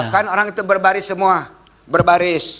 kan orang itu berbaris semua berbaris